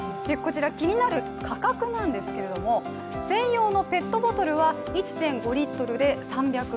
気になる価格なんですけれども、専用のペットボトルは１．５リットルで３００円。